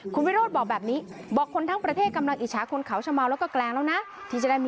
คุณวิโรธบอกแบบนี้บอกคนทั้งประเทศกำลังอิชาคนเขาชะเมาแล้วก็แกรงแล้ว